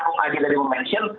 huk adi tadi menyebutkan